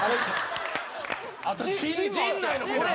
あと陣内のこれ！